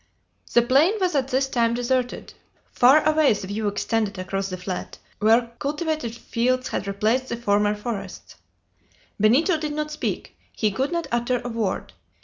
The plain was at this time deserted. Far away the view extended across the flat, where cultivated fields had replaced the former forests. Benito did not speak; he could not utter a word.